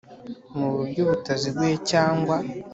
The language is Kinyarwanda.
Mu buryo butaziguye cyangwa